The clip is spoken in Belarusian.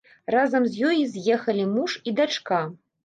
Разам з ёй з'ехалі муж і дачка.